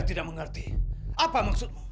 istilahnya tidak begitu